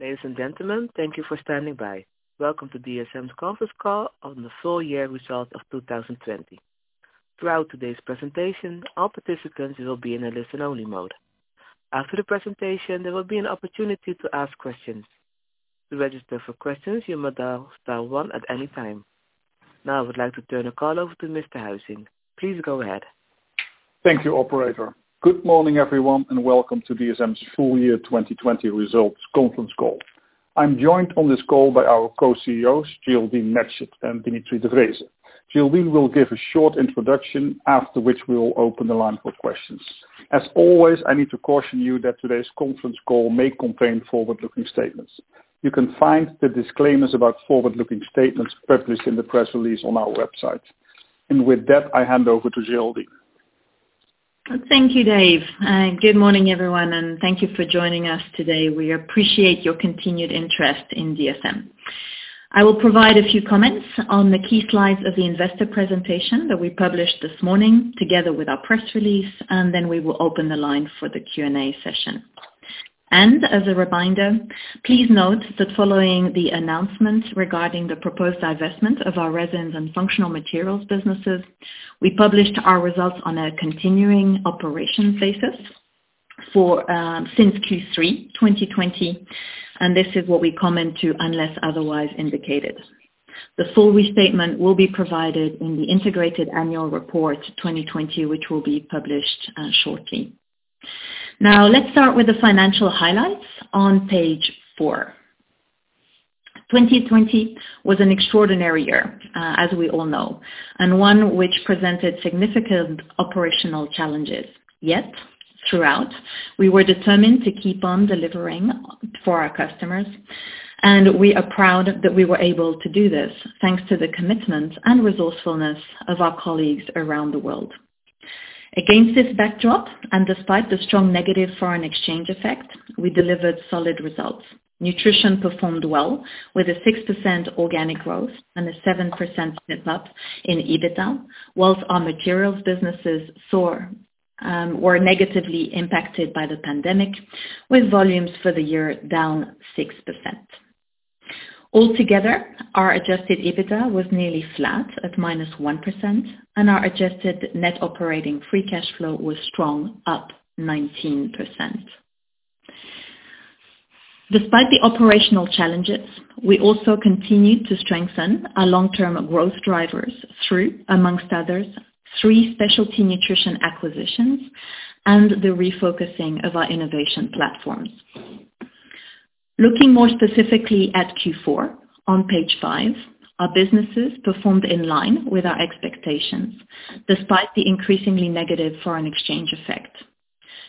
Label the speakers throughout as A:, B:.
A: Ladies and gentlemen, thank you for standing by. Welcome to DSM's conference call on the full year results of 2020. Throughout today's presentation, all participants will be in a listen-only mode. After the presentation, there will be an opportunity to ask questions. Now I would like to turn the call over to Mr. Huizing. Please go ahead.
B: Thank you, operator. Good morning, everyone, welcome to DSM's full year 2020 results conference call. I'm joined on this call by our Co-CEOs, Geraldine Matchett and Dimitri de Vreeze. Geraldine will give a short introduction, after which we will open the line for questions. As always, I need to caution you that today's conference call may contain forward-looking statements. You can find the disclaimers about forward-looking statements published in the press release on our website. With that, I hand over to Geraldine.
C: Thank you, Dave. Good morning, everyone, and thank you for joining us today. We appreciate your continued interest in DSM. I will provide a few comments on the key slides of the investor presentation that we published this morning, together with our press release. Then we will open the line for the Q&A session. As a reminder, please note that following the announcement regarding the proposed divestment of our resins and functional materials businesses, we published our results on a continuing operations basis since Q3 2020. This is what we comment to, unless otherwise indicated. The full restatement will be provided in the integrated annual report 2020, which will be published shortly. Let's start with the financial highlights on page four. 2020 was an extraordinary year, as we all know, and one which presented significant operational challenges. Yet, throughout, we were determined to keep on delivering for our customers, and we are proud that we were able to do this, thanks to the commitment and resourcefulness of our colleagues around the world. Against this backdrop, and despite the strong negative foreign exchange effect, we delivered solid results. Nutrition performed well, with a 6% organic growth and a 7% step-up in EBITDA, whilst our materials businesses were negatively impacted by the pandemic, with volumes for the year down 6%. Altogether, our adjusted EBITDA was nearly flat at -1%, and our adjusted net operating free cash flow was strong, up 19%. Despite the operational challenges, we also continued to strengthen our long-term growth drivers through, amongst others, three specialty nutrition acquisitions and the refocusing of our innovation platforms. Looking more specifically at Q4 on page five, our businesses performed in line with our expectations, despite the increasingly negative foreign exchange effect.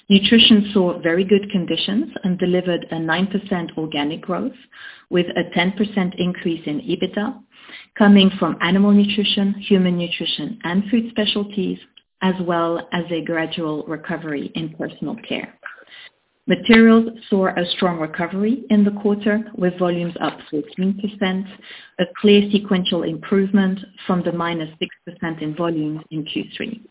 C: Nutrition saw very good conditions and delivered a 9% organic growth with a 10% increase in EBITDA coming from animal nutrition, human nutrition, and food specialties, as well as a gradual recovery in personal care. Materials saw a strong recovery in the quarter, with volumes up 14%, a clear sequential improvement from the -6% in volume in Q3.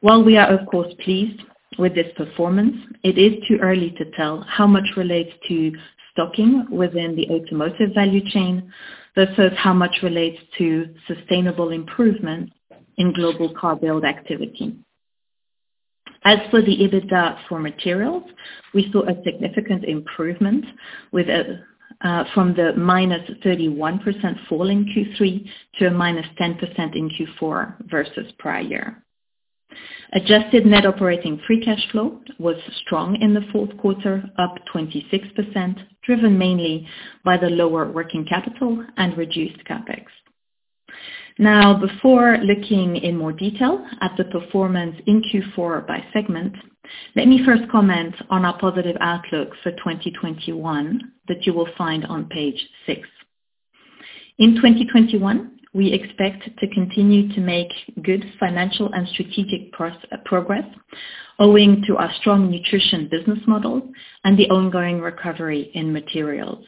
C: While we are of course pleased with this performance, it is too early to tell how much relates to stocking within the automotive value chain, versus how much relates to sustainable improvement in global car build activity. As for the EBITDA for materials, we saw a significant improvement from the -31% fall in Q3 to a -10% in Q4 versus prior year. Adjusted net operating free cash flow was strong in the fourth quarter, up 26%, driven mainly by the lower working capital and reduced CapEx. Before looking in more detail at the performance in Q4 by segment, let me first comment on our positive outlook for 2021 that you will find on page six. In 2021, we expect to continue to make good financial and strategic progress, owing to our strong nutrition business model and the ongoing recovery in materials.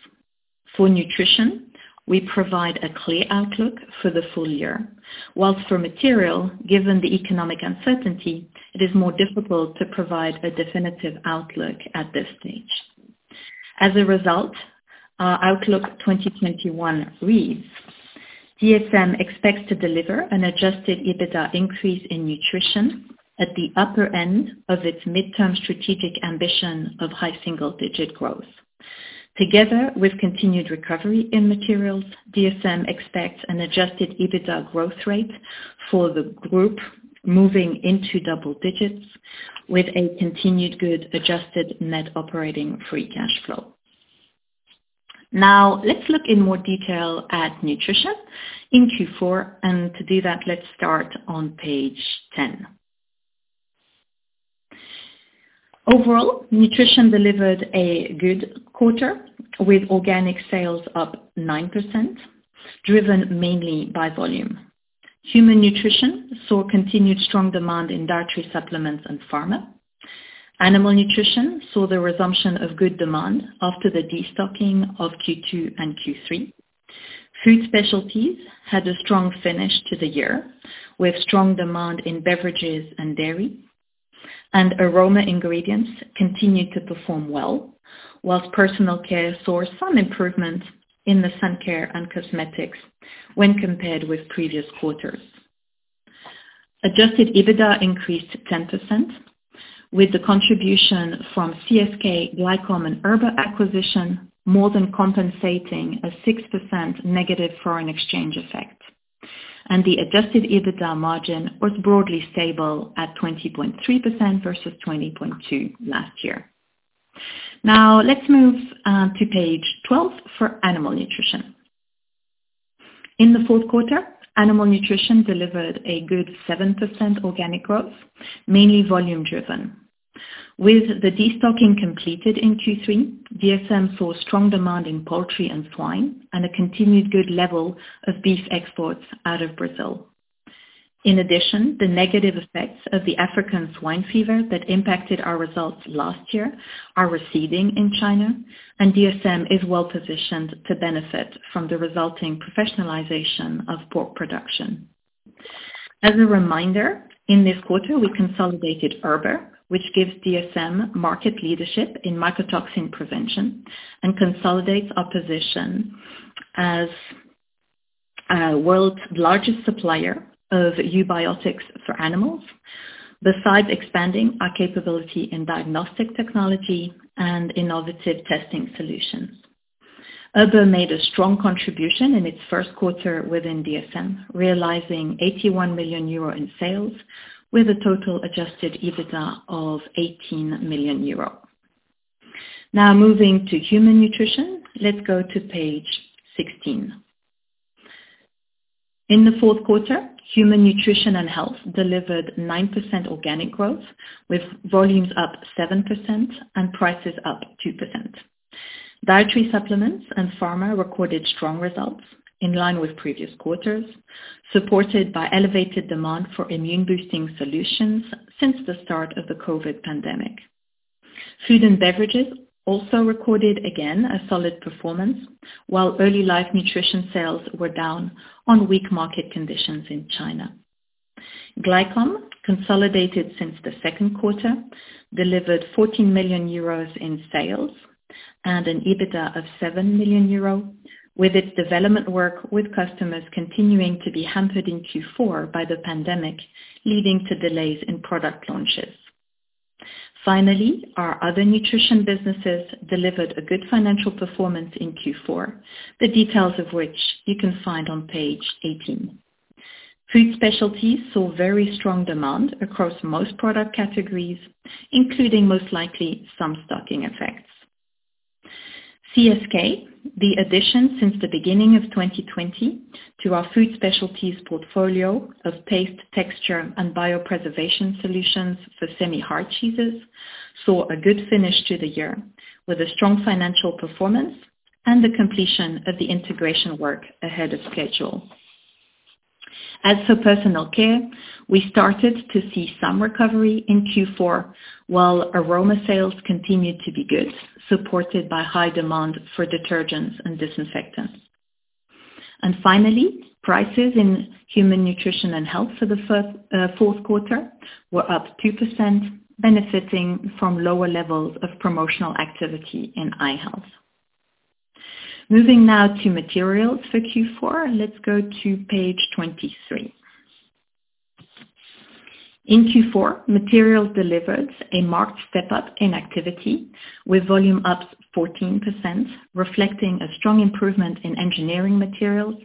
C: For nutrition, we provide a clear outlook for the full year, whilst for material, given the economic uncertainty, it is more difficult to provide a definitive outlook at this stage. As a result, our outlook 2021 reads, "DSM expects to deliver an adjusted EBITDA increase in nutrition at the upper end of its midterm strategic ambition of high single-digit growth. Together with continued recovery in materials, DSM expects an adjusted EBITDA growth rate for the group moving into double digits with a continued good adjusted net operating free cash flow. Let's look in more detail at nutrition in Q4, and to do that, let's start on page 10. Overall, nutrition delivered a good quarter, with organic sales up 9%, driven mainly by volume. Human nutrition saw continued strong demand in dietary supplements and pharma. Animal nutrition saw the resumption of good demand after the destocking of Q2 and Q3. Food specialties had a strong finish to the year, with strong demand in beverages and dairy. Aroma ingredients continued to perform well. Personal Care saw some improvements in the sun care and cosmetics when compared with previous quarters. Adjusted EBITDA increased 10%, with the contribution from CSK, Glycom and Erber acquisition more than compensating a 6% negative foreign exchange effect. The adjusted EBITDA margin was broadly stable at 20.3% versus 20.2% last year. Let's move to page 12 for animal nutrition. In the fourth quarter, animal nutrition delivered a good 7% organic growth, mainly volume driven. With the destocking completed in Q3, DSM saw strong demand in poultry and swine, and a continued good level of beef exports out of Brazil. In addition, the negative effects of the African swine fever that impacted our results last year are receding in China, and DSM is well positioned to benefit from the resulting professionalization of pork production. As a reminder, in this quarter, we consolidated Erber, which gives DSM market leadership in mycotoxin prevention and consolidates our position as world's largest supplier of eubiotics for animals, besides expanding our capability in diagnostic technology and innovative testing solutions. Erber made a strong contribution in its first quarter within DSM, realizing 81 million euro in sales, with a total adjusted EBITDA of 18 million euro. Moving to human nutrition, let's go to page 16. In the fourth quarter, human nutrition & health delivered 9% organic growth, with volumes up 7% and prices up 2%. Dietary supplements and pharma recorded strong results in line with previous quarters, supported by elevated demand for immune boosting solutions since the start of the COVID pandemic. Food and beverages also recorded again a solid performance, while early life nutrition sales were down on weak market conditions in China. Glycom, consolidated since the second quarter, delivered 14 million euros in sales and an EBITDA of 7 million euros, with its development work with customers continuing to be hampered in Q4 by the pandemic, leading to delays in product launches. Finally, our other nutrition businesses delivered a good financial performance in Q4, the details of which you can find on page 18. Food specialties saw very strong demand across most product categories, including most likely some stocking effects. CSK, the addition since the beginning of 2020 to our food specialties portfolio of paste, texture, and biopreservation solutions for semi-hard cheeses, saw a good finish to the year with a strong financial performance and the completion of the integration work ahead of schedule. As for Personal Care, we started to see some recovery in Q4, while aroma sales continued to be good, supported by high demand for detergents and disinfectants. Finally, prices in human nutrition & health for the fourth quarter were up 2%, benefiting from lower levels of promotional activity in eye health. Moving now to materials for Q4. Let's go to page 23. In Q4, materials delivered a marked step-up in activity, with volume ups 14%, reflecting a strong improvement in engineering materials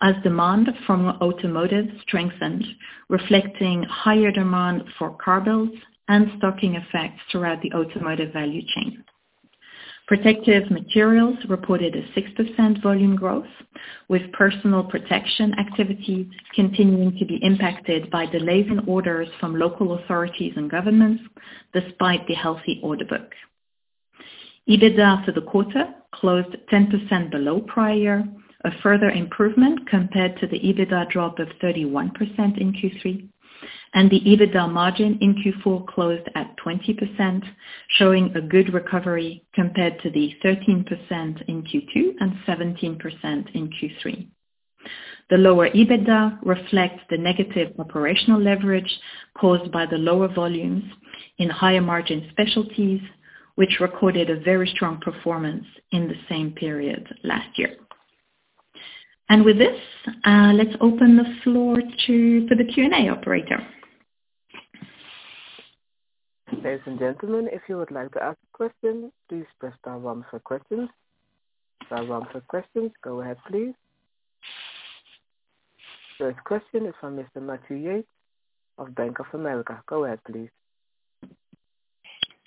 C: as demand from automotive strengthened, reflecting higher demand for car builds and stocking effects throughout the automotive value chain. Protective materials reported a 6% volume growth, with personal protection activity continuing to be impacted by delays in orders from local authorities and governments, despite the healthy order book. EBITDA for the quarter closed 10% below prior, a further improvement compared to the EBITDA drop of 31% in Q3, and the EBITDA margin in Q4 closed at 20%, showing a good recovery compared to the 13% in Q2 and 17% in Q3. The lower EBITDA reflects the negative operational leverage caused by the lower volumes in higher margin specialties, which recorded a very strong performance in the same period last year. With this, let's open the floor for the Q&A operator.
A: Ladies and gentlemen, if you would like to ask a question, please press star one for questions. Star one for questions. Go ahead, please. First question is from Mr. Matthew Yates of Bank of America. Go ahead, please.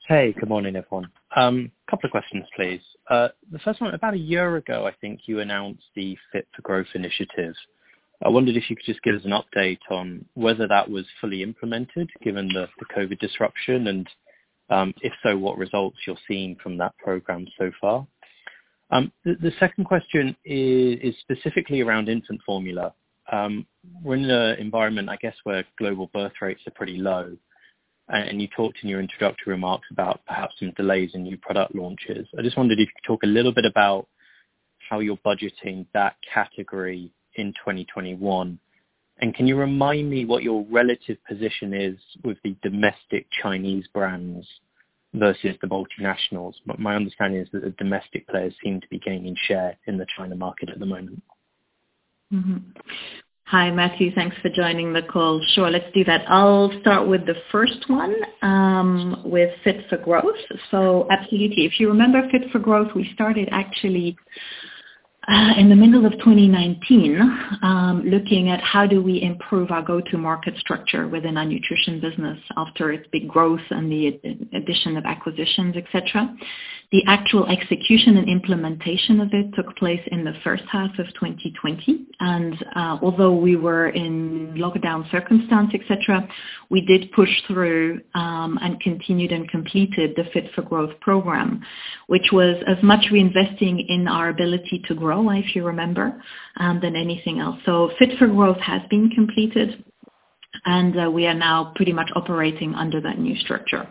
D: Hey, good morning, everyone. Couple of questions, please. The first one, about a year ago, I think you announced the Fit for Growth initiative. I wondered if you could just give us an update on whether that was fully implemented, given the COVID disruption, and, if so, what results you're seeing from that program so far? The second question is specifically around infant formula. We're in an environment, I guess, where global birth rates are pretty low, and you talked in your introductory remarks about perhaps some delays in new product launches. I just wondered if you could talk a little bit about how you're budgeting that category in 2021, and can you remind me what your relative position is with the domestic Chinese brands versus the multinationals? My understanding is that the domestic players seem to be gaining share in the China market at the moment.
C: Hi, Matthew. Thanks for joining the call. Sure, let's do that. I'll start with the first one with Fit for Growth. Absolutely. If you remember Fit for Growth, we started actually in the middle of 2019 looking at how do we improve our go-to market structure within our nutrition business after its big growth and the addition of acquisitions, et cetera. The actual execution and implementation of it took place in the first half of 2020. Although we were in lockdown circumstance, et cetera, we did push through, and continued and completed the Fit for Growth program, which was as much reinvesting in our ability to grow, if you remember, than anything else. Fit for Growth has been completed, and we are now pretty much operating under that new structure.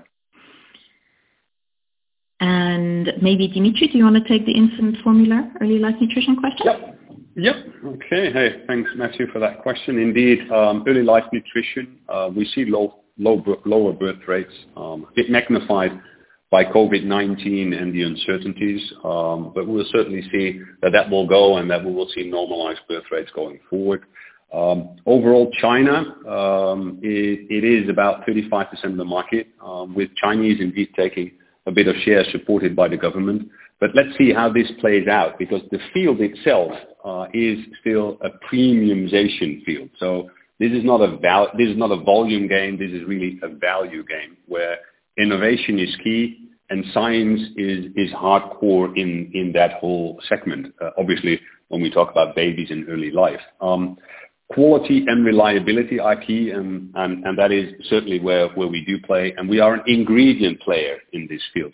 C: Maybe Dimitri, do you want to take the infant formula, early life nutrition question?
E: Yep. Okay. Hey, thanks Matthew for that question. Indeed, early life nutrition, we see lower birth rates, a bit magnified by COVID-19 and the uncertainties. We'll certainly see that that will go and that we will see normalized birth rates going forward. Overall China, it is about 35% of the market, with Chinese indeed taking a bit of share supported by the government. Let's see how this plays out because the field itself is still a premiumization field. This is not a volume game. This is really a value game where innovation is key and science is hardcore in that whole segment, obviously, when we talk about babies and early life. Quality and reliability are key, and that is certainly where we do play, and we are an ingredient player in this field.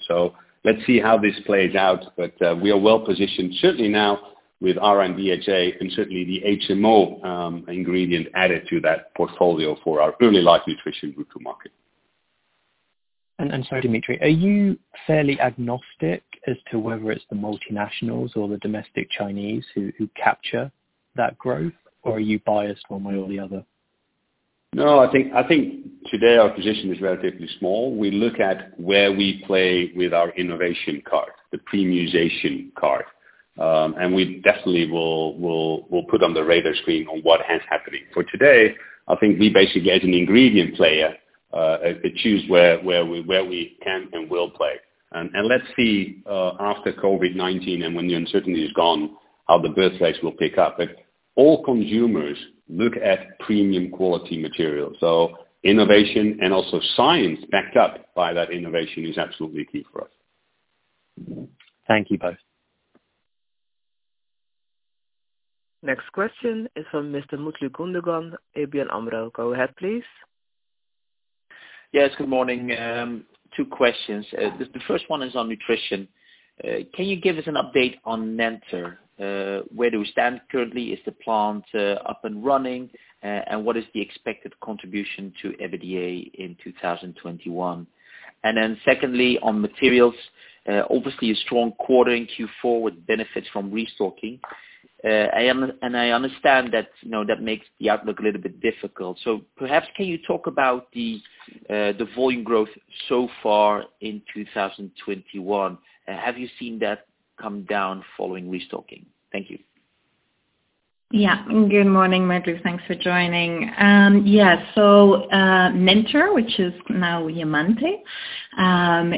E: Let's see how this plays out. We are well-positioned certainly now with [our DHA] and certainly the HMO ingredient added to that portfolio for our early life nutrition go-to market.
D: Sorry, Dimitri, are you fairly agnostic as to whether it's the multinationals or the domestic Chinese who capture that growth, or are you biased one way or the other?
E: No, I think today our position is relatively small. We look at where we play with our innovation card, the premiumization card. We definitely will put on the radar screen on what is happening. For today, I think we basically, as an ingredient player, could choose where we can and will play. Let's see, after COVID-19 and when the uncertainty is gone, how the birth rates will pick up. All consumers look at premium quality material. Innovation and also science backed up by that innovation is absolutely key for us.
D: Thank you both.
A: Next question is from Mr. Mutlu Gundogan, ABN AMRO. Go ahead, please.
F: Yes, good morning. Two questions. The first one is on nutrition. Can you give us an update on Nenter? Where do we stand currently? Is the plant up and running? What is the expected contribution to EBITDA in 2021? Secondly, on materials, obviously a strong quarter in Q4 with benefits from restocking. I understand that makes the outlook a little bit difficult. Perhaps, can you talk about the volume growth so far in 2021? Have you seen that come down following restocking? Thank you.
C: Yeah. Good morning, Mutlu. Thanks for joining. Yes. Nenter, which is now Yimante,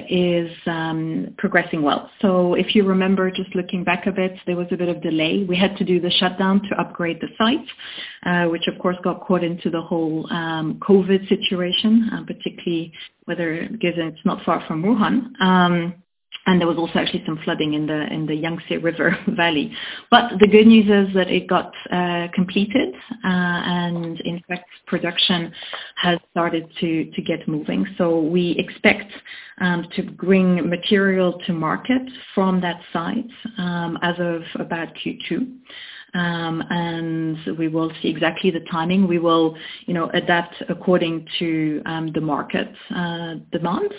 C: is progressing well. If you remember, just looking back a bit, there was a bit of delay. We had to do the shutdown to upgrade the site, which of course got caught into the whole COVID situation, particularly given it's not far from Wuhan. There was also actually some flooding in the Yangtze River Valley. The good news is that it got completed, and in fact, production has started to get moving. We expect to bring material to market from that site, as of about Q2. We will see exactly the timing. We will adapt according to the market demand,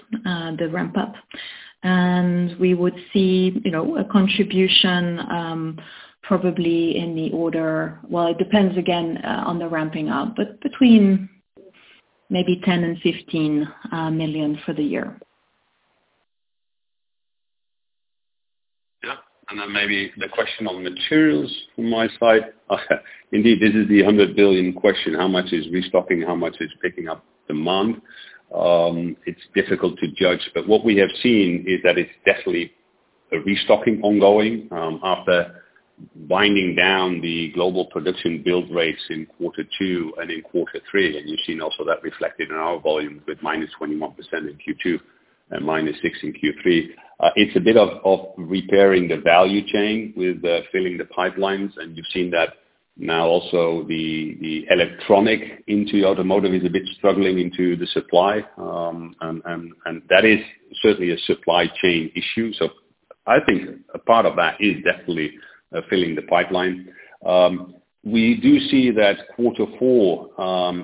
C: the ramp up. We would see a contribution, probably in the order. Well, it depends again on the ramping up, but between maybe 10 million and 15 million for the year.
E: Yeah. Then maybe the question on materials from my side. Indeed, this is the 100 billion question, how much is restocking, how much is picking up demand? It's difficult to judge, but what we have seen is that it's definitely a restocking ongoing, after winding down the global production build rates in quarter two and in quarter three. You've seen also that reflected in our volume with -21% in Q2 and -6% in Q3. It's a bit of repairing the value chain with filling the pipelines. Now also the electronic into automotive is a bit struggling into the supply. That is certainly a supply chain issue. I think a part of that is definitely filling the pipeline. We do see that quarter four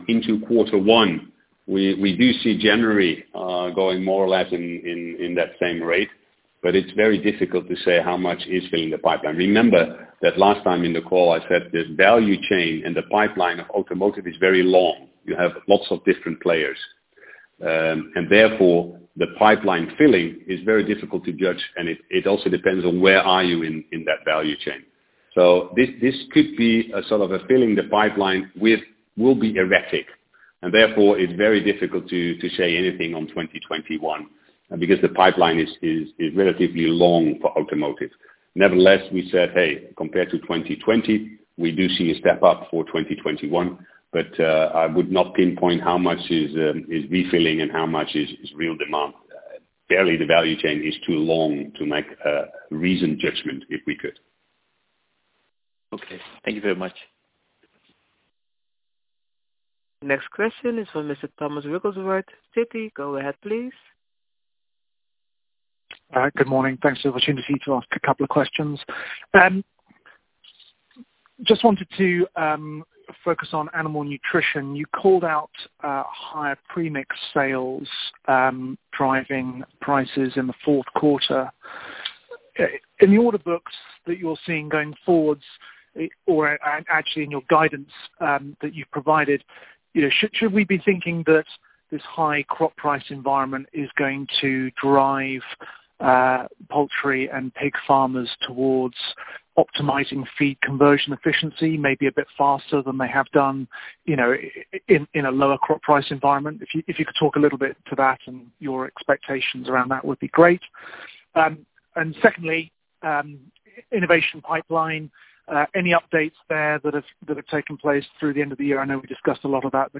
E: into quarter one, we do see January going more or less in that same rate. It's very difficult to say how much is filling the pipeline. Remember that last time in the call I said this value chain and the pipeline of automotive is very long. You have lots of different players. Therefore, the pipeline filling is very difficult to judge, and it also depends on where are you in that value chain. This could be a sort of a filling the pipeline with will be erratic. Therefore, it's very difficult to say anything on 2021 because the pipeline is relatively long for automotive. Nevertheless, we said, hey, compared to 2020, we do see a step up for 2021. I would not pinpoint how much is refilling and how much is real demand. Barely the value chain is too long to make a reasoned judgment if we could.
F: Okay. Thank you very much.
A: Next question is from Mr. Thomas Wrigglesworth, Citi. Go ahead, please.
G: Good morning. Thanks for the opportunity to ask a couple of questions. Just wanted to focus on animal nutrition. You called out higher premix sales driving prices in the fourth quarter. In the order books that you're seeing going forwards or actually in your guidance that you've provided, should we be thinking that this high crop price environment is going to drive poultry and pig farmers towards optimizing feed conversion efficiency maybe a bit faster than they have done in a lower crop price environment? If you could talk a little bit to that and your expectations around that would be great. Secondly, innovation pipeline, any updates there that have taken place through the end of the year? I know we discussed a lot about the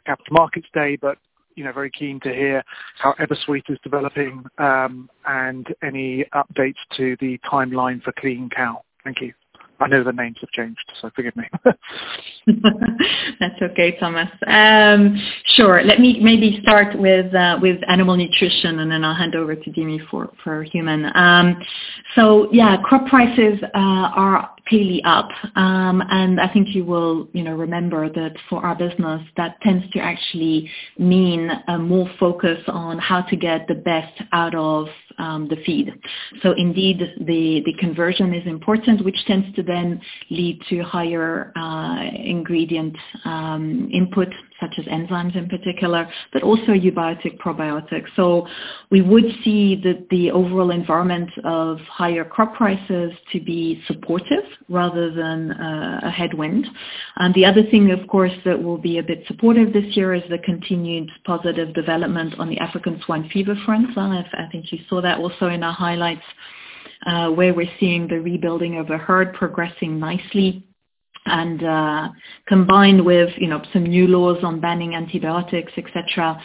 G: Capital Markets Day, very keen to hear how EverSweet is developing, and any updates to the timeline for Clean Cow. Thank you. I know the names have changed, so forgive me.
C: That's okay, Thomas. Sure. Let me maybe start with animal nutrition, then I'll hand over to Dimi for human. Yeah, crop prices are clearly up. I think you will remember that for our business, that tends to actually mean more focus on how to get the best out of the feed. Indeed, the conversion is important, which tends to then lead to higher ingredient input, such as enzymes in particular, but also eubiotic probiotics. We would see that the overall environment of higher crop prices to be supportive rather than a headwind. The other thing, of course, that will be a bit supportive this year is the continued positive development on the African swine fever front. I think you saw that also in our highlights, where we're seeing the rebuilding of the herd progressing nicely and, combined with some new laws on banning antibiotics, et cetera,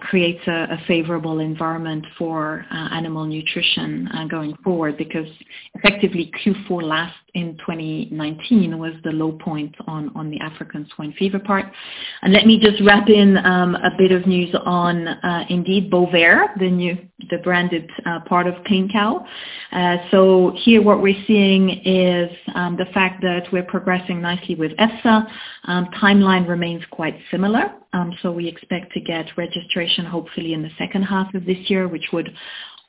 C: creates a favorable environment for animal nutrition going forward because effectively Q4 last in 2019 was the low point on the African swine fever part. Let me just wrap in a bit of news on indeed Bovaer, the branded part of Project Clean Cow. Here what we're seeing is the fact that we're progressing nicely with EFSA. Timeline remains quite similar. We expect to get registration hopefully in the second half of this year, which would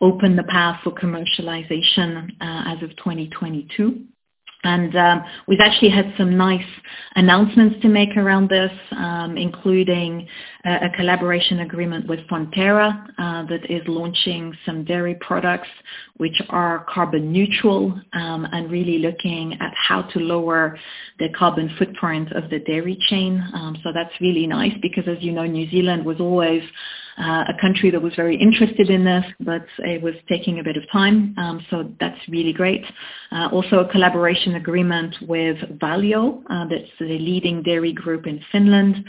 C: open the path for commercialization as of 2022. We've actually had some nice announcements to make around this, including a collaboration agreement with Fonterra, that is launching some dairy products which are carbon neutral, and really looking at how to lower the carbon footprint of the dairy chain. That's really nice because as you know, New Zealand was always a country that was very interested in this, but it was taking a bit of time. That's really great. Also a collaboration agreement with Valio, that's the leading dairy group in Finland,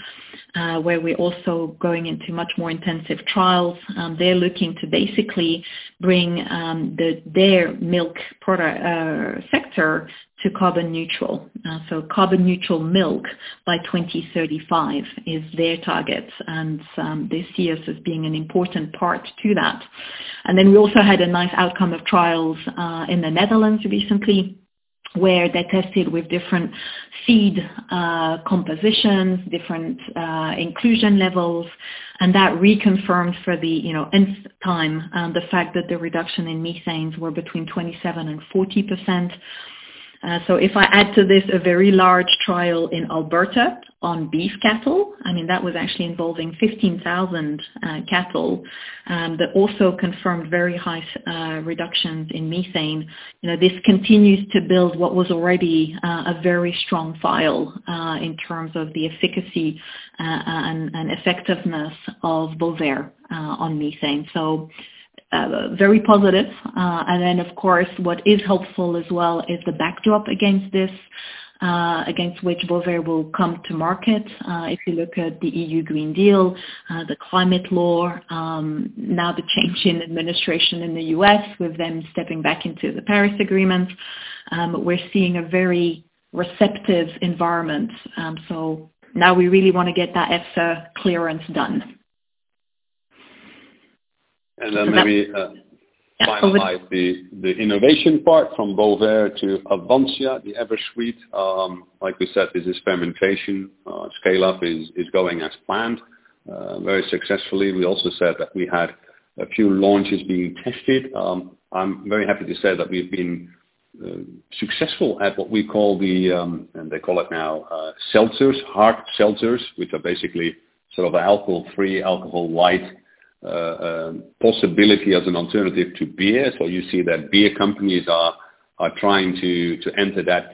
C: where we're also going into much more intensive trials. They're looking to basically bring their milk sector to carbon neutral. Carbon neutral milk by 2035 is their target and they see us as being an important part to that. We also had a nice outcome of trials in the Netherlands recently, where they tested with different feed compositions, different inclusion levels, and that reconfirmed for the nth time, the fact that the reduction in methanes were between 27% and 40%. If I add to this a very large trial in Alberta on beef cattle, I mean, that was actually involving 15,000 cattle, that also confirmed very high reductions in methane. This continues to build what was already a very strong file in terms of the efficacy and effectiveness of Bovaer on methane. Very positive. Of course, what is helpful as well is the backdrop against this, against which Bovaer will come to market. If you look at the EU Green Deal, the Climate Law, now the change in administration in the U.S. with them stepping back into the Paris Agreement, we're seeing a very receptive environment. Now we really want to get that EFSA clearance done.
E: Let me finalize the innovation part from Bovaer to Avansya, the EverSweet. Like we said, this is fermentation. Scale-up is going as planned very successfully. We also said that we had a few launches being tested. I'm very happy to say that we've been successful at what we call the, and they call it now seltzers, hard seltzers, which are basically sort of an alcohol-free, alcohol light possibility as an alternative to beer. You see that beer companies are trying to enter that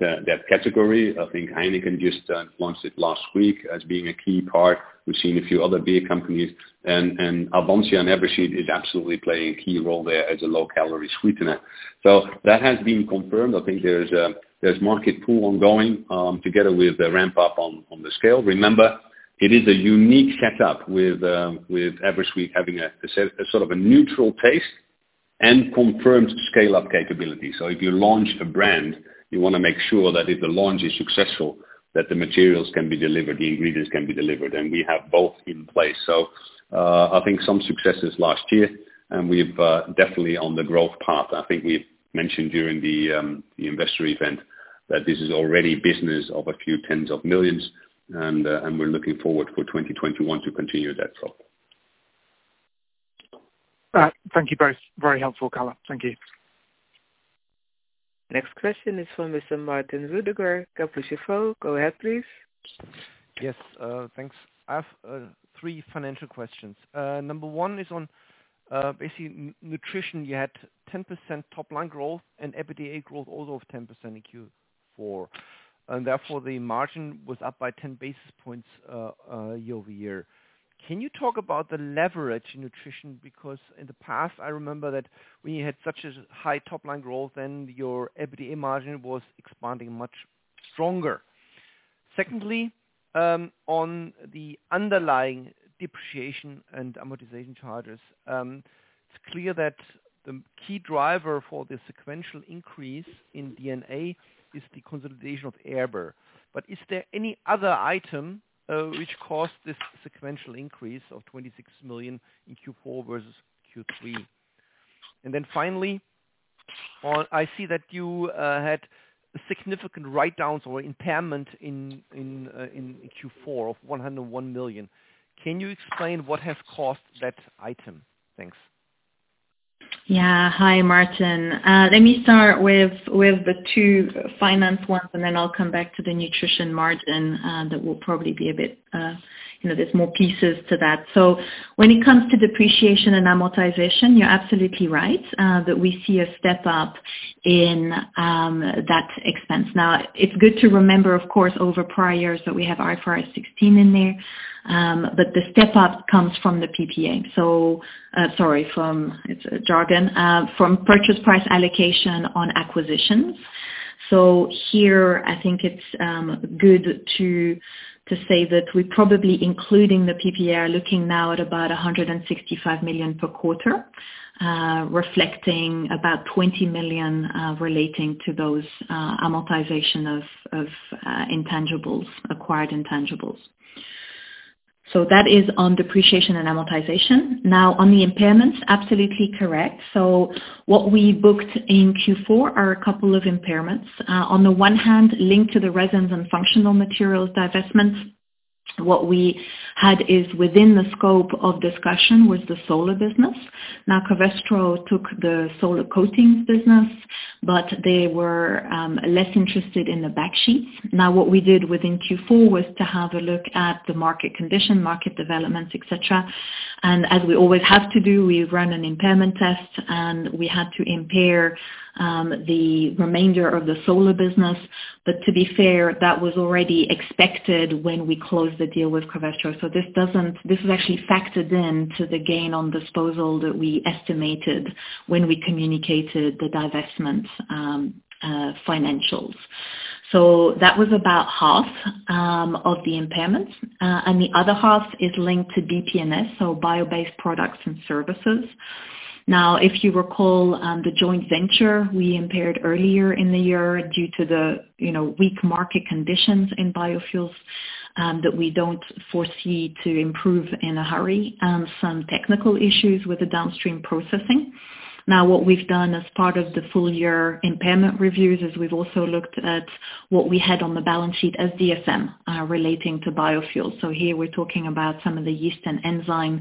E: category. I think Heineken just launched it last week as being a key part. We've seen a few other beer companies, and Avansya and EverSweet is absolutely playing a key role there as a low-calorie sweetener. That has been confirmed. I think there's market pull ongoing, together with the ramp-up on the scale. Remember, it is a unique setup with EverSweet having a sort of a neutral taste and confirmed scale-up capability. If you launch a brand, you want to make sure that if the launch is successful, that the materials can be delivered, the ingredients can be delivered, and we have both in place. I think some successes last year, and we're definitely on the growth path. I think we mentioned during the investor event that this is already business of few tens of millions, and we're looking forward for 2021 to continue that growth.
G: Thank you both. Very helpful color. Thank you.
A: Next question is from Mr. Martin Roediger, Kepler Cheuvreux. Go ahead, please.
H: Yes, thanks. I have three financial questions. Number one is on basically nutrition. You had 10% top-line growth and EBITDA growth also of 10% in Q4, and therefore the margin was up by 10 basis points year-over-year. Can you talk about the leverage in nutrition? In the past, I remember that when you had such a high top-line growth, then your EBITDA margin was expanding much stronger. Secondly, on the underlying depreciation and amortization charges. It's clear that the key driver for the sequential increase in D&A is the consolidation of Erber. Is there any other item which caused this sequential increase of 26 million in Q4 versus Q3? Finally, I see that you had significant write-downs or impairment in Q4 of 101 million. Can you explain what has caused that item? Thanks.
C: Yeah. Hi, Martin. Let me start with the two finance ones, and then I will come back to the nutrition margin. That will probably be a bit. There is more pieces to that. When it comes to depreciation and amortization, you are absolutely right, that we see a step-up in that expense. It is good to remember, of course, over prior years that we have IFRS 16 in there. The step-up comes from the PPA. Sorry, it is jargon. From purchase price allocation on acquisitions. Here, I think it is good to say that we are probably including the PPA, looking now at about 165 million per quarter, reflecting about 20 million relating to those amortization of intangibles, acquired intangibles. That is on depreciation and amortization. On the impairments, absolutely correct. What we booked in Q4 are a couple of impairments. On the one hand, linked to the resins and functional materials divestments. What we had is within the scope of discussion with the solar business. Covestro took the solar coatings business, but they were less interested in the backsheets. What we did within Q4 was to have a look at the market condition, market developments, et cetera. As we always have to do, we run an impairment test, and we had to impair the remainder of the solar business. To be fair, that was already expected when we closed the deal with Covestro. This is actually factored in to the gain on disposal that we estimated when we communicated the divestment financials. That was about half of the impairments. The other half is linked to BPMS, so bio-based products and services. If you recall, the joint venture we impaired earlier in the year due to the weak market conditions in biofuels, that we don't foresee to improve in a hurry, and some technical issues with the downstream processing. What we've done as part of the full year impairment reviews is we've also looked at what we had on the balance sheet as DSM relating to biofuels. Here we're talking about some of the yeast and enzyme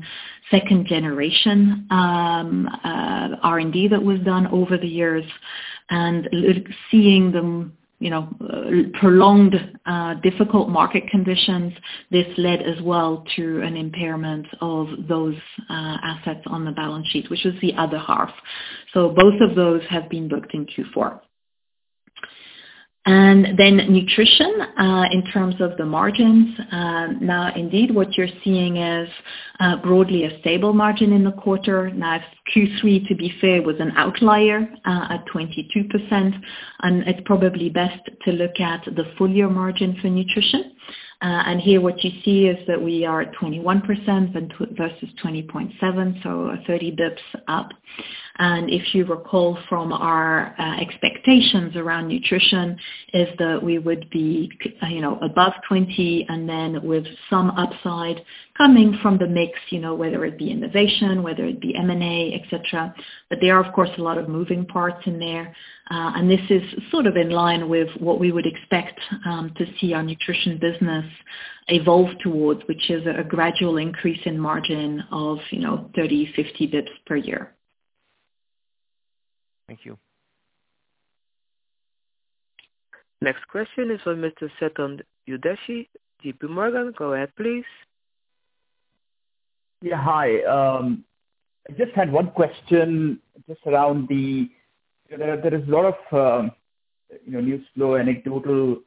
C: second generation R&D that was done over the years and seeing the prolonged difficult market conditions. This led as well to an impairment of those assets on the balance sheet, which was the other half. Both of those have been booked in Q4. Nutrition, in terms of the margins. Indeed, what you're seeing is broadly a stable margin in the quarter. Q3, to be fair, was an outlier at 22%. It's probably best to look at the full-year margin for nutrition. Here what you see is that we are at 21% versus 20.7%, so 30 basis points up. If you recall from our expectations around nutrition, is that we would be above 20% and then with some upside coming from the mix, whether it be innovation, whether it be M&A, et cetera. There are, of course, a lot of moving parts in there. This is sort of in line with what we would expect to see our nutrition business evolve towards, which is a gradual increase in margin of 30 basis points-50 basis points per year.
H: Thank you.
A: Next question is from Mr. Chetan Udeshi, JPMorgan. Go ahead, please.
I: Yeah. Hi. I just had one question. There is a lot of news flow, anecdotal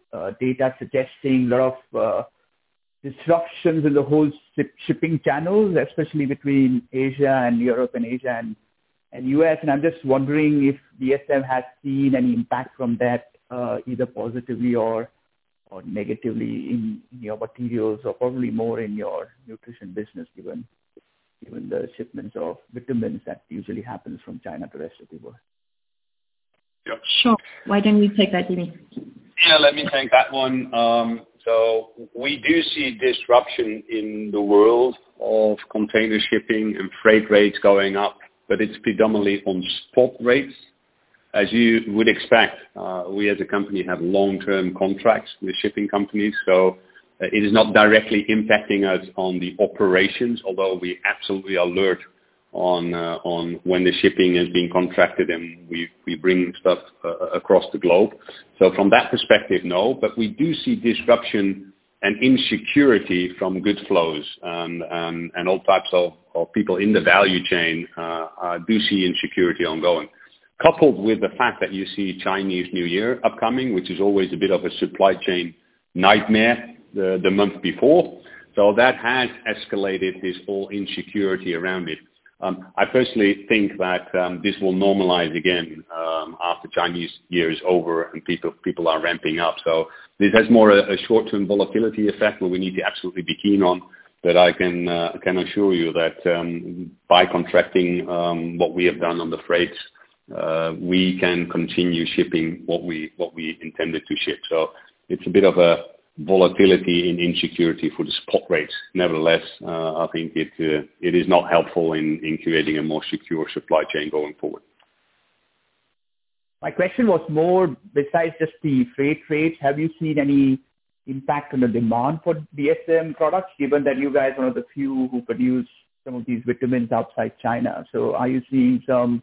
I: data suggesting lot of disruptions in the whole shipping channels, especially between Asia and Europe, and Asia and U.S. I'm just wondering if DSM has seen any impact from that, either positively or negatively in your materials or probably more in your nutrition business, given the shipments of vitamins that usually happens from China to rest of the world.
C: Sure. Why don't you take that, Dimitri?
E: Yeah, let me take that one. We do see disruption in the world of container shipping and freight rates going up, but it's predominantly on spot rates. As you would expect, we as a company have long-term contracts with shipping companies, so it is not directly impacting us on the operations, although we absolutely are alert on when the shipping is being contracted and we bring stuff across the globe. From that perspective, no. We do see disruption and insecurity from goods flows. All types of people in the value chain do see insecurity ongoing. Coupled with the fact that you see Chinese New Year upcoming, which is always a bit of a supply chain nightmare the month before. That has escalated this all insecurity around it. I personally think that this will normalize again after Chinese Year is over and people are ramping up. This has more a short-term volatility effect that we need to absolutely be keen on. I can assure you that by contracting what we have done on the freights, we can continue shipping what we intended to ship. It's a bit of a volatility and insecurity for the spot rates. Nevertheless, I think it is not helpful in creating a more secure supply chain going forward.
I: My question was more besides just the freight rates, have you seen any impact on the demand for DSM products, given that you guys are one of the few who produce some of these vitamins outside China? Are you seeing some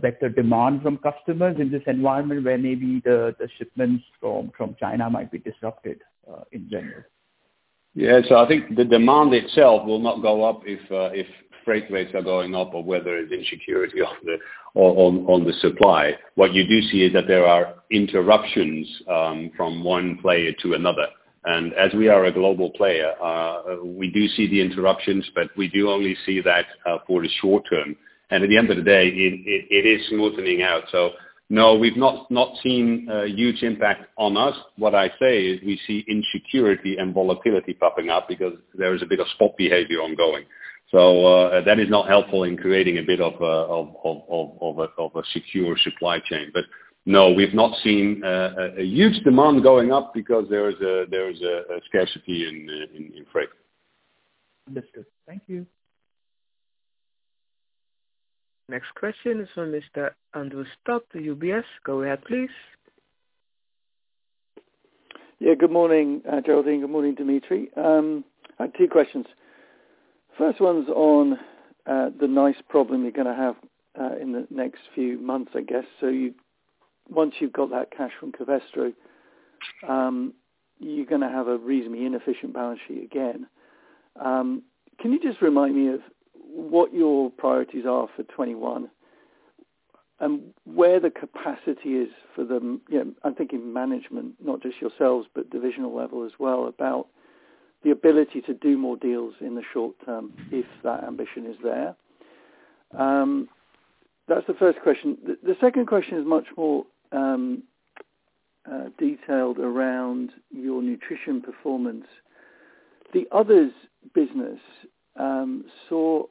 I: better demand from customers in this environment where maybe the shipments from China might be disrupted in general?
E: Yeah. I think the demand itself will not go up if freight rates are going up or whether it's insecurity on the supply. What you do see is that there are interruptions from one player to another. As we are a global player, we do see the interruptions, but we do only see that for the short term. At the end of the day, it is smoothening out. No, we've not seen a huge impact on us. What I say is, we see insecurity and volatility popping up because there is a bit of spot behavior ongoing. That is not helpful in creating a bit of a secure supply chain. No, we've not seen a huge demand going up because there is a scarcity in freight.
I: Understood. Thank you.
A: Next question is from Mr. Andrew Stott, UBS. Go ahead, please.
J: Good morning, Geraldine. Good morning, Dimitri. I have two questions. First one's on the nice problem you're going to have in the next few months, I guess. Once you've got that cash from Covestro, you're going to have a reasonably inefficient balance sheet again. Can you just remind me of what your priorities are for 2021 and where the capacity is for them? I'm thinking management, not just yourselves, but divisional level as well, about the ability to do more deals in the short term if that ambition is there. That's the first question. The second question is much more detailed around your nutrition performance. The others' business saw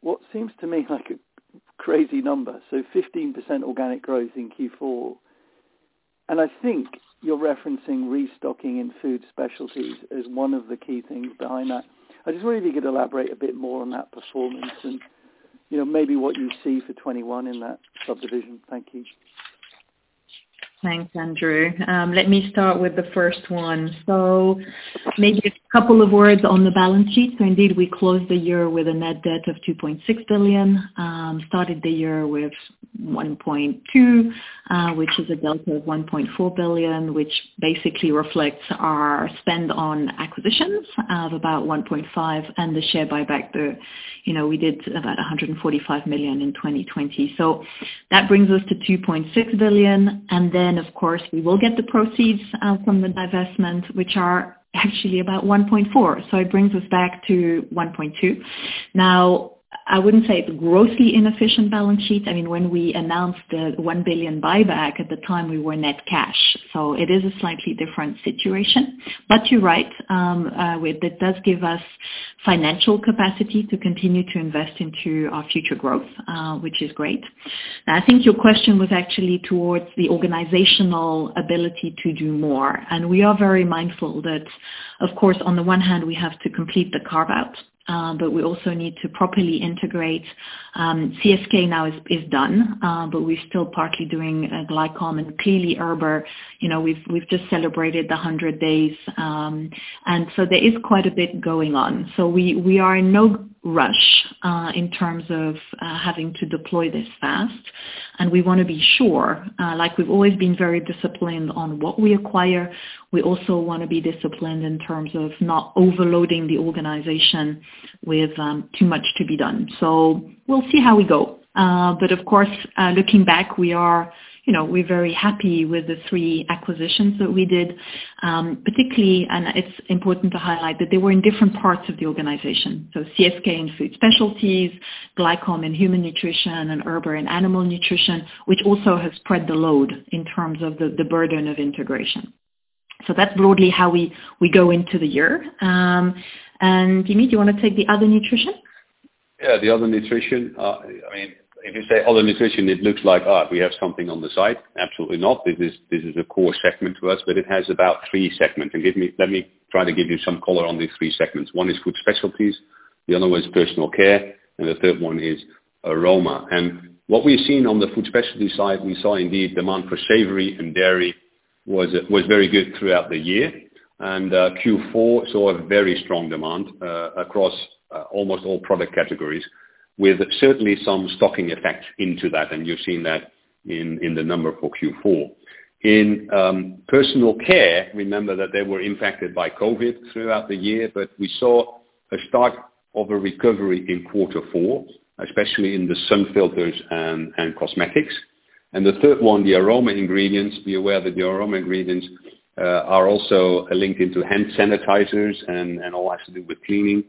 J: what seems to me like a crazy number. 15% organic growth in Q4. I think you're referencing restocking in food specialties as one of the key things behind that. I just wonder if you could elaborate a bit more on that performance and maybe what you see for 2021 in that subdivision. Thank you.
C: Thanks, Andrew. Let me start with the first one. Maybe a couple of words on the balance sheet. Indeed, we closed the year with a net debt of 2.6 billion. Started the year with 1.2 billion, which is a delta of 1.4 billion, which basically reflects our spend on acquisitions of about 1.5 billion and the share buyback. We did about 145 million in 2020. That brings us to 2.6 billion, and then, of course, we will get the proceeds out from the divestment, which are actually about 1.4 billion, so it brings us back to 1.2 billion. I wouldn't say it's a grossly inefficient balance sheet. When we announced the 1 billion buyback, at the time, we were net cash. It is a slightly different situation. You're right, it does give us financial capacity to continue to invest into our future growth, which is great. I think your question was actually towards the organizational ability to do more, and we are very mindful that, of course, on the one hand, we have to complete the carve-out, but we also need to properly integrate. CSK now is done, but we're still partly doing Glycom and clearly Erber. We've just celebrated 100 days, and so there is quite a bit going on. We are in no rush in terms of having to deploy this fast, and we want to be sure. Like we've always been very disciplined on what we acquire, we also want to be disciplined in terms of not overloading the organization with too much to be done. We'll see how we go. Of course, looking back, we're very happy with the three acquisitions that we did. Particularly, and it's important to highlight, that they were in different parts of the organization. CSK in food specialties, Glycom in human nutrition, and Erber in animal nutrition, which also has spread the load in terms of the burden of integration. That's broadly how we go into the year. Dimitri, do you want to take the other nutrition?
E: Yeah, the other nutrition. If you say other nutrition, it looks like we have something on the side. Absolutely not. This is a core segment to us. It has about three segments. Let me try to give you some color on these three segments. One is food specialties, the other one is personal care, and the third one is aroma. What we've seen on the food specialty side, we saw indeed demand for savory and dairy was very good throughout the year. Q4 saw a very strong demand across almost all product categories, with certainly some stocking effect into that, and you've seen that in the number for Q4. In personal care, remember that they were impacted by COVID throughout the year, but we saw a start of a recovery in quarter four, especially in the sun filters and cosmetics. The third one, the aroma ingredients, be aware that the aroma ingredients are also linked into hand sanitizers and all that has to do with cleaning.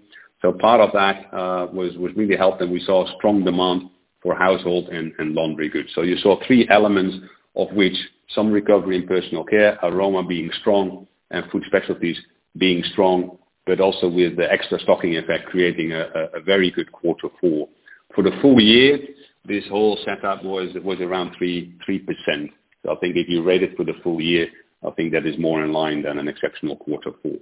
E: Part of that was really helped, and we saw strong demand for household and laundry goods. You saw three elements of which some recovery in personal care, aroma being strong, and food specialties being strong, but also with the extra stocking effect, creating a very good quarter four. For the full year, this whole set up was around 3%. I think if you rate it for the full year, I think that is more in line than an exceptional quarter four.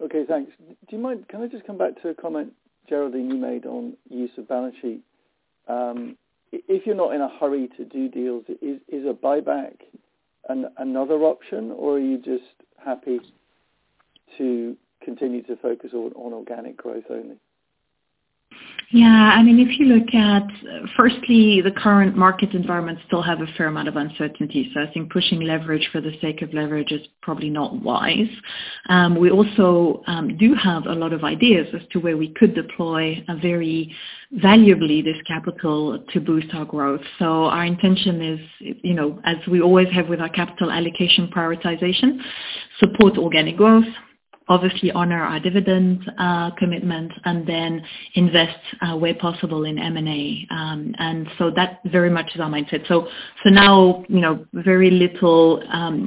J: Okay, thanks. Can I just come back to a comment, Geraldine, you made on use of balance sheet. If you're not in a hurry to do deals, is a buyback another option, or are you just happy to continue to focus on organic growth only?
C: Yeah. Firstly, the current market environment still have a fair amount of uncertainty. I think pushing leverage for the sake of leverage is probably not wise. We also do have a lot of ideas as to where we could deploy very valuably this capital to boost our growth. Our intention is, as we always have with our capital allocation prioritization, support organic growth, obviously honor our dividend commitment, and then invest where possible in M&A. That very much is our mindset. Now, very little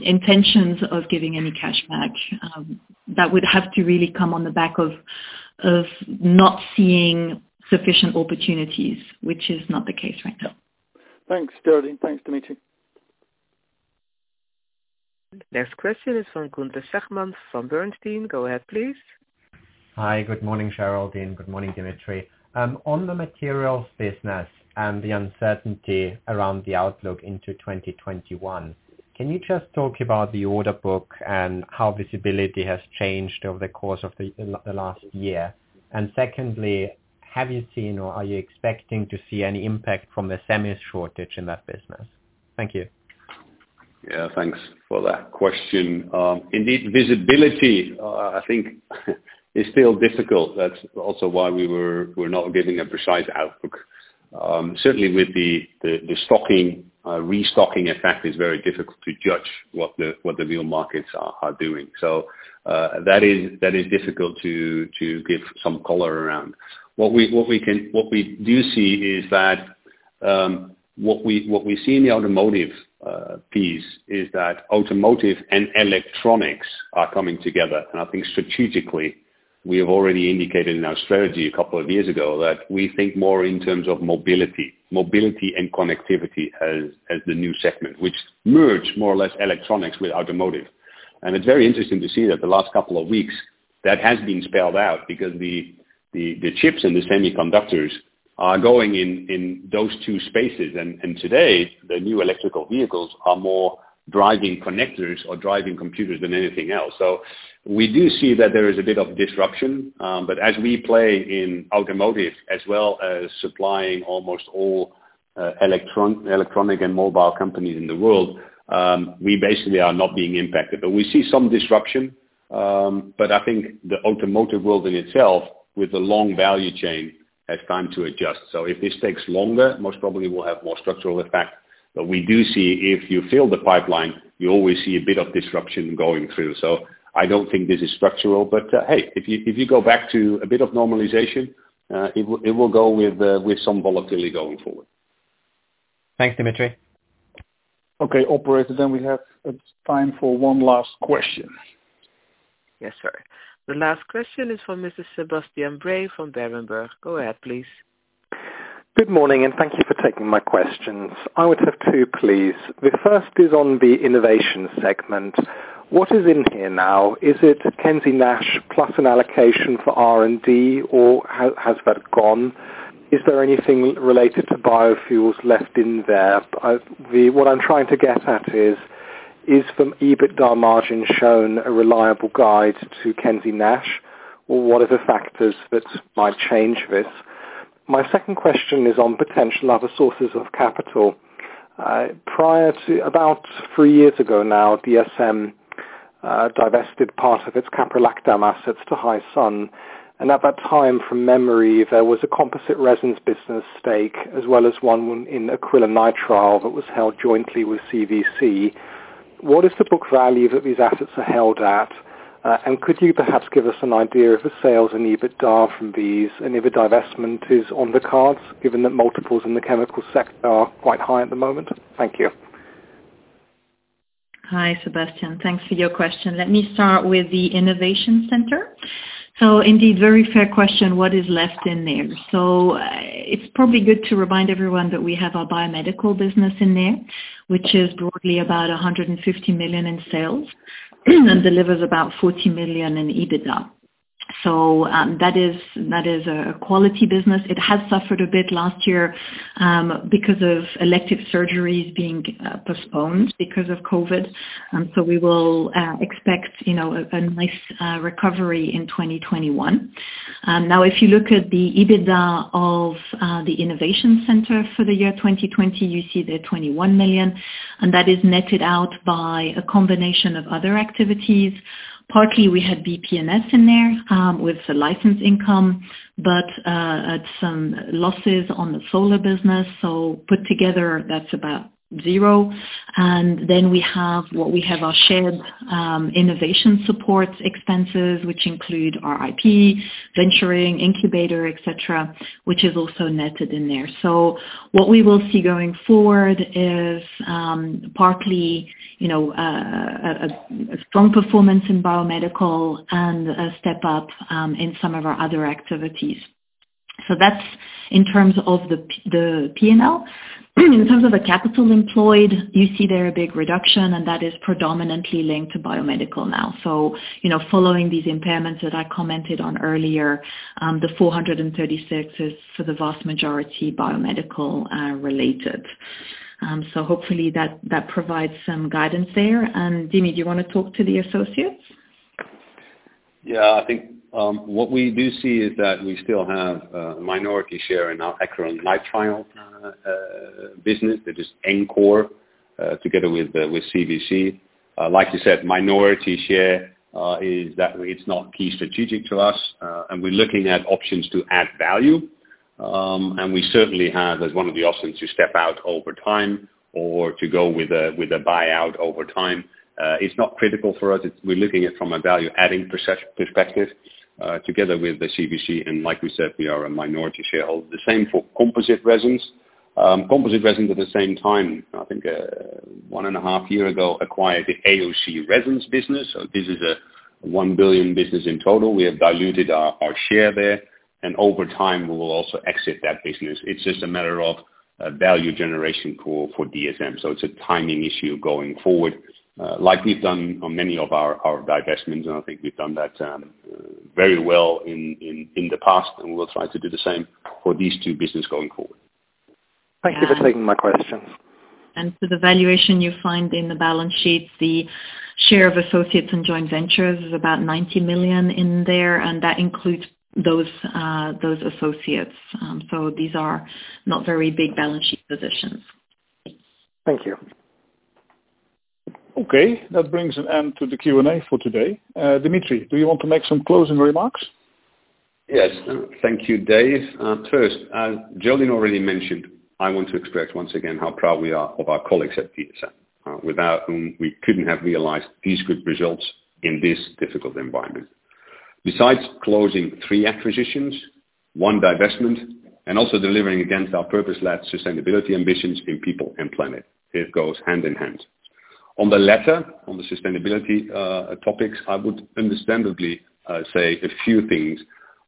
C: intentions of giving any cash back. That would have to really come on the back of not seeing sufficient opportunities, which is not the case right now.
J: Thanks, Geraldine. Thanks, Dimitri.
A: Next question is from Gunther Zechmann from Bernstein. Go ahead, please.
K: Hi. Good morning, Geraldine. Good morning, Dimitri. On the materials business and the uncertainty around the outlook into 2021, can you just talk about the order book and how visibility has changed over the course of the last year? Secondly, have you seen or are you expecting to see any impact from the semi shortage in that business? Thank you.
E: Yeah. Thanks for that question. Indeed, visibility, I think is still difficult. That's also why we're not giving a precise outlook. Certainly, with the restocking effect, it's very difficult to judge what the real markets are doing. That is difficult to give some color around. What we do see in the automotive piece is that automotive and electronics are coming together, and I think strategically, we have already indicated in our strategy a couple of years ago that we think more in terms of mobility and connectivity as the new segment, which merge more or less electronics with automotive. It's very interesting to see that the last couple of weeks that has been spelled out because the chips and the semiconductors are going in those two spaces. Today, the new electrical vehicles are more driving connectors or driving computers than anything else. We do see that there is a bit of disruption, but as we play in automotive as well as supplying almost all electronic and mobile companies in the world, we basically are not being impacted. We see some disruption, but I think the automotive world in itself with the long value chain has time to adjust. If this takes longer, most probably we'll have more structural effect. We do see if you fill the pipeline, you always see a bit of disruption going through. I don't think this is structural, but hey, if you go back to a bit of normalization, it will go with some volatility going forward.
K: Thanks, Dimitri.
B: Okay, operator. We have time for one last question.
A: Yes, sir. The last question is from Mr. Sebastian Bray from Berenberg. Go ahead, please.
L: Good morning. Thank you for taking my questions. I would have two, please. The first is on the innovation segment. What is in here now? Is it Kensey Nash plus an allocation for R&D, or has that gone? Is there anything related to biofuels left in there? What I'm trying to get at is from EBITDA margin shown a reliable guide to Kensey Nash? What are the factors that might change this? My second question is on potential other sources of capital. Prior to about three years ago now, DSM divested part of its caprolactam assets to Highsun, and at that time, from memory, there was a composite resins business stake, as well as one in acrylonitrile that was held jointly with CVC. What is the book value that these assets are held at? Could you perhaps give us an idea of the sales and EBITDA from these, and if a divestment is on the cards, given that multiples in the chemical sector are quite high at the moment? Thank you.
C: Hi, Sebastian. Thanks for your question. Let me start with the innovation center. Indeed, very fair question. What is left in there? It's probably good to remind everyone that we have our biomedical business in there, which is broadly about 150 million in sales and delivers about 40 million in EBITDA. That is a quality business. It has suffered a bit last year because of elective surgeries being postponed because of COVID. We will expect a nice recovery in 2021. If you look at the EBITDA of the innovation center for the year 2020, you see there 21 million, and that is netted out by a combination of other activities. Partly, we had BPMS in there with the license income, but at some losses on the solar business. Put together, that's about zero. Then we have our shared innovation support expenses, which include our IP, venturing, incubator, et cetera, which is also netted in there. What we will see going forward is partly a strong performance in biomedical and a step-up in some of our other activities. That's in terms of the P&L. In terms of the capital employed, you see there a big reduction, and that is predominantly linked to biomedical now. Following these impairments that I commented on earlier, the 436 million is for the vast majority, biomedical related. Hopefully that provides some guidance there. Dimi, do you want to talk to the associates?
E: I think what we do see is that we still have a minority share in our acrylonitrile business. That is AnQore, together with CVC. Like you said, minority share is that it's not key strategic to us, and we're looking at options to add value. We certainly have as one of the options to step out over time or to go with a buyout over time. It's not critical for us. We're looking at it from a value-adding perspective, together with the CVC, like we said, we are a minority shareholder. The same for composite resins. Composite resins, at the same time, I think one and a half year ago, acquired the AOC Resins business. This is a 1 billion business in total. We have diluted our share there, over time, we will also exit that business. It's just a matter of a value generation call for DSM. It's a timing issue going forward. Like we've done on many of our divestments, and I think we've done that very well in the past, and we'll try to do the same for these two business going forward.
L: Thank you for taking my questions.
C: For the valuation, you find in the balance sheets, the share of associates and joint ventures is about 90 million in there. That includes those associates. These are not very big balance sheet positions.
L: Thank you.
B: Okay, that brings an end to the Q&A for today. Dimitri, do you want to make some closing remarks?
E: Yes. Thank you, Dave. First, Geraldine already mentioned, I want to express once again how proud we are of our colleagues at DSM, without whom we couldn't have realized these good results in this difficult environment. Besides closing three acquisitions, one divestment, and also delivering against our purpose-led sustainability ambitions in people and planet, it goes hand in hand. On the latter, on the sustainability topics, I would understandably say a few things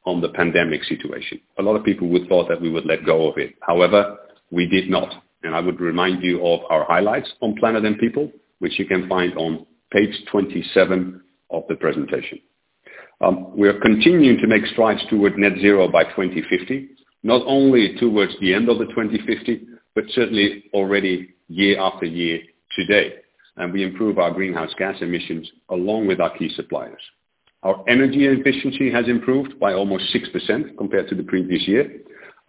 E: on the pandemic situation. A lot of people would thought that we would let go of it. However, we did not, and I would remind you of our highlights on planet and people, which you can find on page 27 of the presentation. We are continuing to make strides toward net zero by 2050, not only towards the end of the 2050, but certainly already year after year today. We improve our greenhouse gas emissions along with our key suppliers. Our energy efficiency has improved by almost 6% compared to the previous year,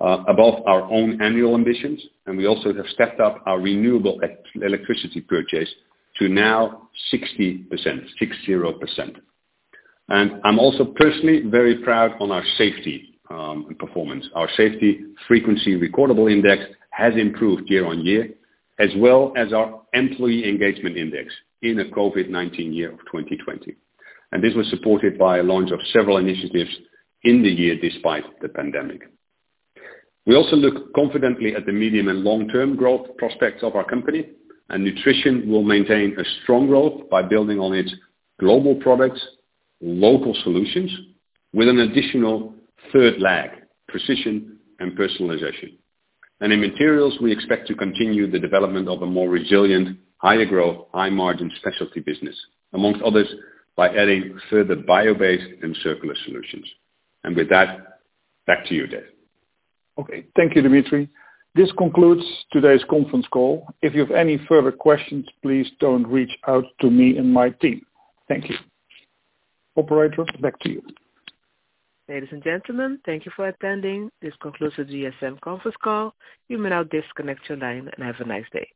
E: above our own annual ambitions, and we also have stepped up our renewable electricity purchase to now 60%. I'm also personally very proud on our safety performance. Our safety frequency recordable index has improved year-over-year, as well as our employee engagement index in a COVID-19 year of 2020. This was supported by a launch of several initiatives in the year despite the pandemic. We also look confidently at the medium and long-term growth prospects of our company, and nutrition will maintain a strong growth by building on its global products, local solutions with an additional third leg, precision and personalization. In materials, we expect to continue the development of a more resilient, higher growth, high margin specialty business, amongst others, by adding further bio-based and circular solutions. With that, back to you, Dave.
B: Okay. Thank you, Dimitri. This concludes today's conference call. If you have any further questions, please do reach out to me and my team. Thank you. Operator, back to you.
A: Ladies and gentlemen, thank you for attending. This concludes the DSM conference call. You may now disconnect your line and have a nice day.